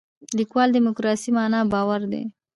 لیکوال دیموکراسي معنا باور دی.